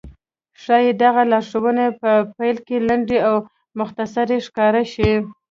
ښايي دغه لارښوونې په پيل کې لنډې او مختصرې ښکاره شي.